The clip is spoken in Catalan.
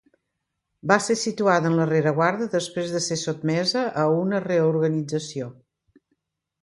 Va ser situada en la rereguarda després de ser sotmesa a una reorganització.